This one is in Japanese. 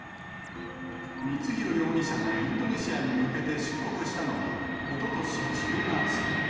光弘容疑者がインドネシアに向けて出国したのは、おととし１０月。